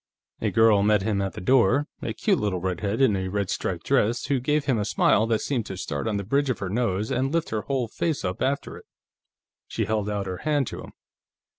A girl met him at the door, a cute little redhead in a red striped dress, who gave him a smile that seemed to start on the bridge of her nose and lift her whole face up after it. She held out her hand to him.